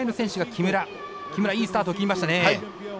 木村、いいスタート切りましたね。